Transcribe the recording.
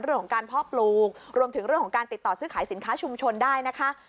เรื่องของการเพาะปลูกรวมถึงเรื่องของการติดต่อซื้อขายสินค้าชุมชนได้นะคะ